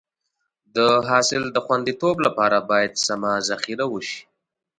د حاصل د خونديتوب لپاره باید سمه ذخیره وشي.